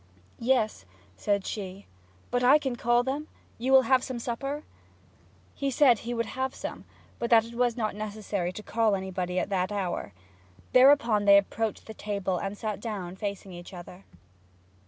'Yes,' said she. 'But I can call them? You will have some supper?' He said he would have some, but that it was not necessary to call anybody at that hour. Thereupon they approached the table, and sat down, facing each other.